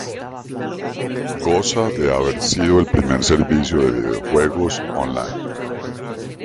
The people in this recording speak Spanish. Goza de haber sido el primer servicio de videojuegos online.